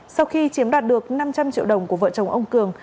sau khi chiếm đoạt được năm trăm linh triệu đồng của vợ chồng ông cường